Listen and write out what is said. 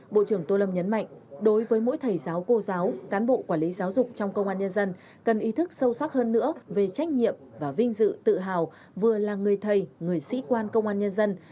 bộ trưởng tô lâm nhấn mạnh đối với mỗi thầy giáo cô giáo cán bộ quản lý giáo dục trong công an nhân dân cần ý thức sâu sắc hơn nữa về trách nhiệm và vinh dự tự hào vừa là người thầy người sĩ quan công an nhân dân